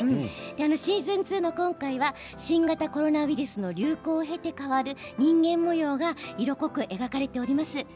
シーズン２の今回は新型コロナウイルスの流行を経て変わる人間模様が色濃く描かれております。